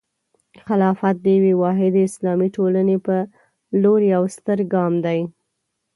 خلافت د یوې واحدې اسلامي ټولنې په لور یوه ستره ګام دی.